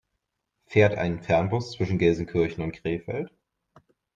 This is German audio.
Fährt ein Fernbus zwischen Gelsenkirchen und Krefeld?